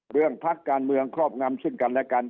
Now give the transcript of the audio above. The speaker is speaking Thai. พักการเมืองครอบงำซึ่งกันและกัน